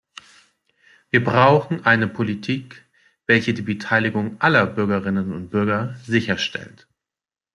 Wir brauchen eine Politik, welche die Beteiligung aller Bürgerinnen und Bürger sicherstellt.